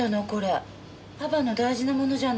パパの大事なものじゃない。